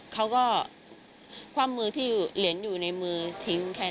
เค้าก็ความมือที่เหรียญอยู่ในมือทิ้งแค่นั้น